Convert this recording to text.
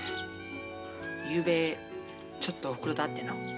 ゆうべちょっとおふくろとあっての。